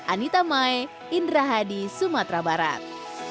anita mae indra hadi sumatera barat